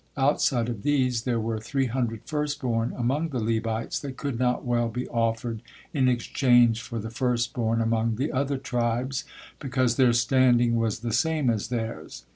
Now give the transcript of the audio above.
Outside of these there were three hundred first born among the Levites that could not well be offered in exchange for the first born among the other tribes, because their standing was the same as theirs.